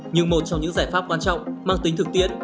nhưng một trong những giải pháp quan trọng mang tính thực tiễn